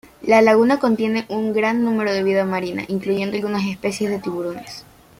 La laguna contiene un gran número de vida marina, incluyendo algunas especies de tiburones.